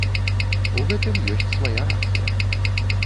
У гэтым ёсць свая рацыя.